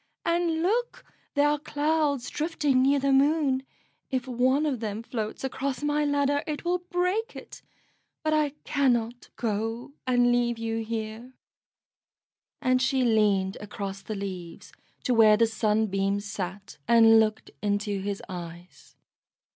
And look, there are clouds drifting near the Moon; if one of them floats across my ladder it will break it. But I cannot go and leave you here;" and she leaned across the leaves to where the Sunbeam sat, and looked into his eyes.